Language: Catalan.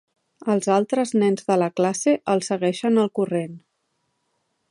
Els altres nens de la classe els segueixen el corrent.